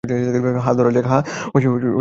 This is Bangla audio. হ্যাঁ, ধরা যাক।